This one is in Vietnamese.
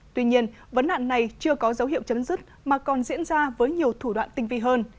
tuy nhiên vấn nạn này chưa có dấu hiệu chấm dứt mà còn diễn ra với nhiều thủ đoạn tinh vi hơn